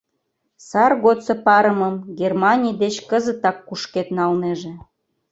Сар годсо парымым Германий деч кызытак кушкед налнеже.